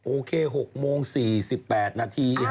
โอเค๖โมง๔๘นาที